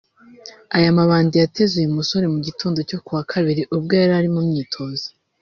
Aya mabandi yateze uyu musore mu gitondo cyo ku wa Kabiri ubwo yari mu myitozo